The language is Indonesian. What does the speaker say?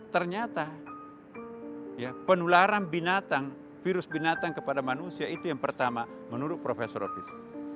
ternyata penularan binatang virus binatang kepada manusia itu yang pertama menurut profesor ropis